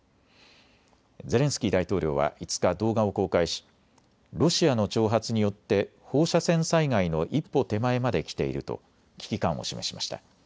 ゼレンスキー大統領は５日、動画を公開しロシアの挑発によって放射線災害の一歩手前まできていると危機感を示しました。